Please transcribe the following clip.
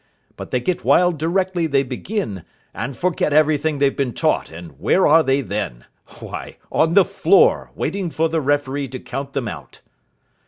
But they get wild directly they begin, and forget everything they've been taught, and where are they then? Why, on the floor, waiting for the referee to count them out."